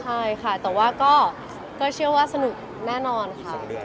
ใช่ค่ะแต่ว่าก็เชื่อว่าสนุกแน่นอนค่ะ